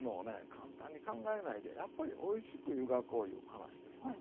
簡単に考えないでやっぱりおいしく湯がこういう話ですわ。